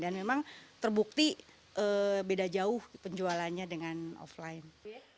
dan memang terbukti beda jauh penjualannya dengan offline